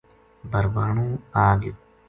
بھربھانو آ گیو